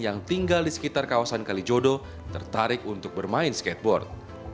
yang tinggal di sekitar kawasan kalijodo tertarik untuk bermain skateboard